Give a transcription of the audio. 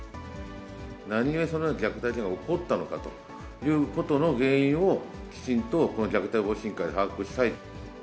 なぜ虐待事案が起こったのかということの原因をきちんとこの虐待防止委員会で把握したい。